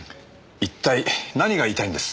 一体何が言いたいんです？